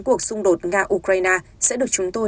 cuộc xung đột nga ukraine sẽ được chúng tôi